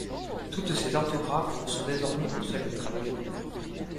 Toutes ces orthographes sont désormais obsolètes.